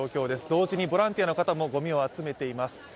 同時のボランティアの方もゴミを集めています。